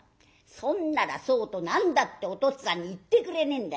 そんならそうと何だっておとっつぁんに言ってくれねえんだ。